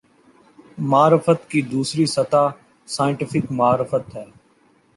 معرفت کی دوسری سطح "سائنٹیفک معرفت" ہے۔